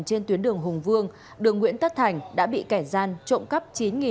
trên tuyến đường hùng vương đường nguyễn tất thành đã bị kẻ gian trộn cấp